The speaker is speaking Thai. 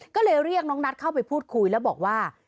ก็เลยเรียกน้องนัทเข้าไปพูดคุยแล้วบอกว่า